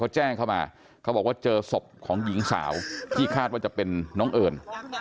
เขาแจ้งเข้ามาเขาบอกว่าเจอศพของหญิงสาวที่คาดว่าจะเป็นน้องเอิญ